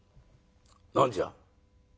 「何じゃ？」。